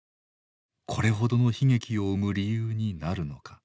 これほどの悲劇を生む理由になるのか。